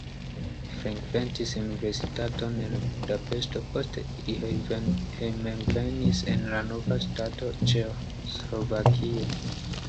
Li frekventis universitaton en Budapeŝto, poste li hejmenvenis en la nova ŝtato Ĉeĥoslovakio.